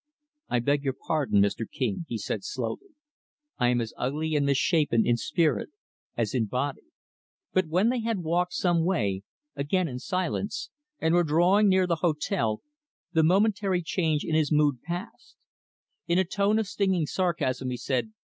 "I beg your pardon, Mr. King" he said slowly "I am as ugly and misshapen in spirit as in body." But when they had walked some way again in silence and were drawing near the hotel, the momentary change in his mood passed. In a tone of stinging sarcasm he said.